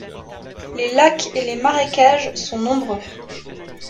Les lacs et les marécages sont nombreux.